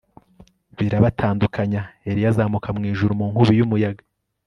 birabatandukanya. eliya azamuka mu ijuru mu nkubi y'umuyaga